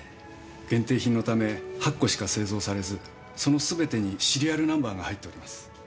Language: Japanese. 限定品のため８個しか製造されずそのすべてにシリアルナンバーが入っております。